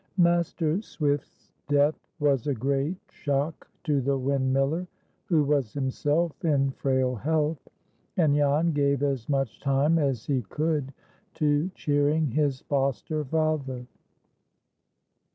Master Swift's death was a great shock to the windmiller, who was himself in frail health; and Jan gave as much time as he could to cheering his foster father.